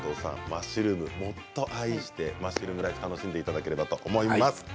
マッシュルームもっと愛してマッシュルームライフ楽しんでいただきたいと思います。